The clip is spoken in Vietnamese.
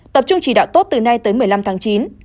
tập trung chỉ đạo tốt từ nay tới một mươi năm tháng chín